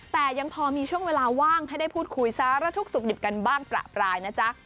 แต่ยังพอมีช่วงเวลาว่างให้ได้พูดคุยสารทุกข์สุขดิบกันบ้างประปรายนะจ๊ะ